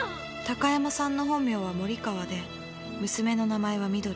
高山さんの本名は森川で娘の名前はみどり。